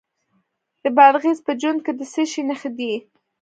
د بادغیس په جوند کې د څه شي نښې دي؟